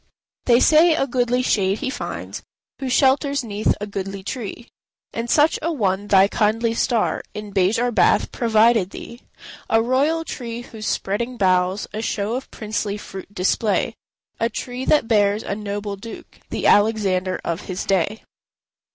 They say a goodly shade he finds Who shelters 'neath a goodly tree; And such a one thy kindly star In Bejar bath provided thee: A royal tree whose spreading boughs A show of princely fruit display; A tree that bears a noble Duke, The Alexander of his day.